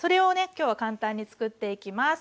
今日は簡単に作っていきます。